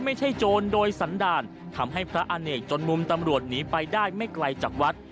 โจรโดยสันดาลทำให้พระอเนกจนมุมตำรวจหนีไปได้ไม่ไกลจากวัด